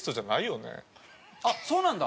あっそうなんだ？